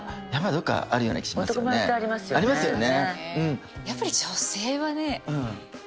ありますよね。